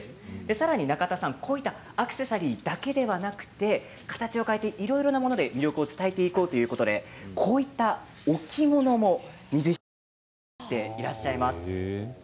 さらに仲田さんアクセサリーだけではなくて形を変えていろいろなもので魅力を伝えていこうということでこういった置物も水引で作っていらっしゃいます。